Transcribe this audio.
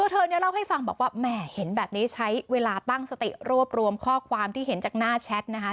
เธอเนี่ยเล่าให้ฟังบอกว่าแหมเห็นแบบนี้ใช้เวลาตั้งสติรวบรวมข้อความที่เห็นจากหน้าแชทนะคะ